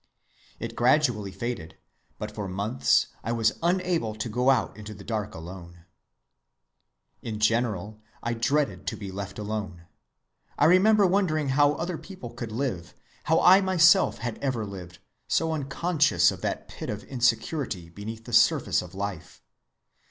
It gradually faded, but for months I was unable to go out into the dark alone. "In general I dreaded to be left alone. I remember wondering how other people could live, how I myself had ever lived, so unconscious of that pit of insecurity beneath the surface of life.